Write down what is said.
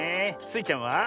スイちゃんは？